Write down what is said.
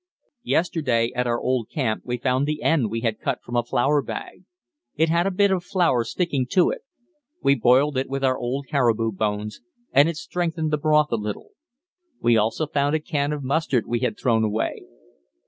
Yesterday at our old camp we found the end we had cut from a flour bag. It had a bit of flour sticking to it. We boiled it with our old caribou bones, and it strengthened the broth a little. We also found a can of mustard we had thrown away.